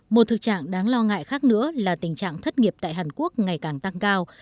một thực trạng đáng lo ngại khác nữa là tình trạng thất nghiệp tại hàn quốc ngày càng tăng cao